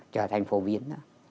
trở thành phố biến